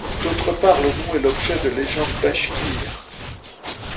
D'autre part le mont est l'objet de légendes bachkires.